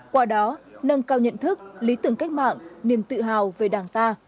qua đó nâng cao nhận thức lý tưởng cách mạng niềm tự hào về đảng ta